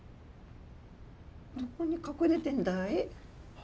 どこに隠れてんだい？